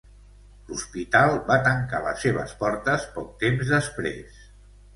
L'hospital va tancar les seves portes poc temps després.